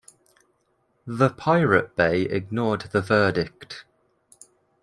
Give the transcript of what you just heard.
The Pirate Bay ignored the verdict.